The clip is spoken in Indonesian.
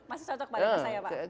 masih cocok banget ya saya ya pak